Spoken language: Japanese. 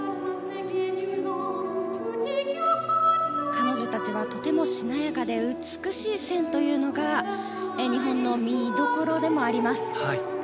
彼女たちはとてもしなやかで美しい線というのが日本の見どころでもあります。